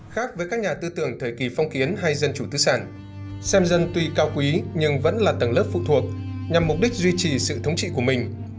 khác với các nhà tư tưởng thời kỳ phong kiến hay dân chủ tư sản xem dân tuy cao quý nhưng vẫn là tầng lớp phụ thuộc nhằm mục đích duy trì sự thống trị của mình